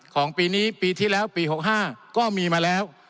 ของปีนี้ปีที่แล้วปี๖๕ก็มีมาแล้ว